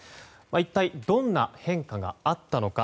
一体どんな変化があったのか。